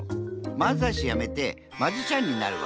まんざいしやめてマジシャンになるわ。